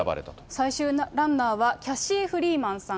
最終ランナーはキャシー・フリーマンさん。